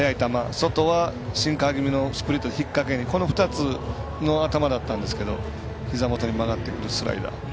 外はシンカー気味にスプリットを引っ掛けの頭だったんですけどひざ元曲がってくるスライダー。